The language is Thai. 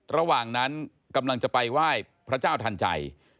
ระหว่างนั้นกำลังจะไปไหว้พระเจ้าทันใจ